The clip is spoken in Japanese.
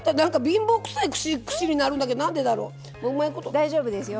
大丈夫ですよ。